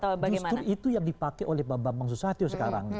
justru itu yang dipakai oleh pak bambang susatyo sekarang